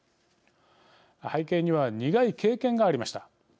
背景には、苦い経験がありました。